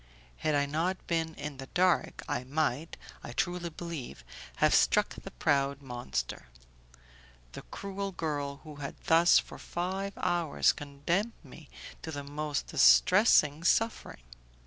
Had I not been in the dark, I might, I truly believe, have struck the proud monster, the cruel girl, who had thus for five hours condemned me to the most distressing suffering.